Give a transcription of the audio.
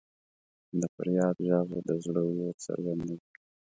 د فریاد ږغ د زړه اور څرګندوي.